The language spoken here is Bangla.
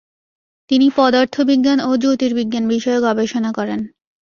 তিনি পদার্থবিজ্ঞান ও জ্যোতির্বিজ্ঞান বিষয়ে গবেষণা করেন।